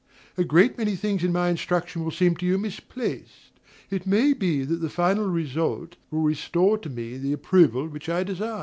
A great many things in my instruction will seem to you misplaced: it may be that the final result will restore to me the approval which I desire.